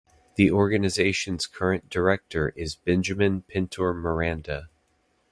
The organizations current director is Benjamin Pintor Miranda.